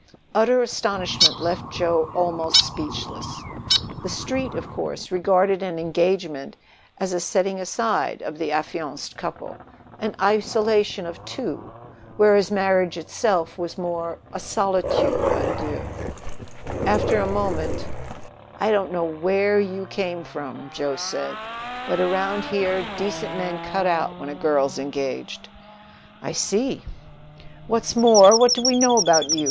Utter astonishment left Joe almost speechless. The Street, of course, regarded an engagement as a setting aside of the affianced couple, an isolation of two, than which marriage itself was not more a solitude a deux. After a moment: "I don't know where you came from," he said, "but around here decent men cut out when a girl's engaged." "I see!" "What's more, what do we know about you?